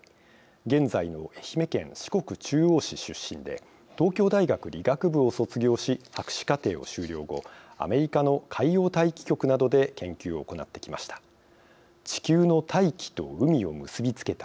現在の愛媛県四国中央市出身で東京大学理学部を卒業し博士課程を修了後アメリカの海洋大気局などで研究を行ってきました。